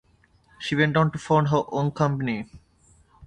She went on to found her own company.